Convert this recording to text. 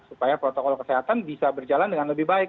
supaya protokol kesehatan bisa berjalan dengan lebih baik